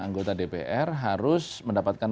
anggota dpr harus mendapatkan